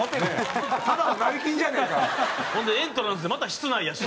ほんでエントランスってまた室内やし。